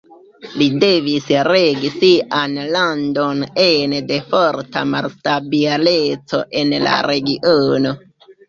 Li devis regi sian landon ene de forta malstabileco en la regiono.